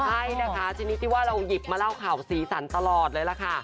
ใช่นะคะชนิดที่ว่าเราหยิบมาเล่าข่าวสีสันตลอดเลยล่ะค่ะ